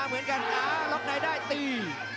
เหมือนนั้นรอกไนได้ตี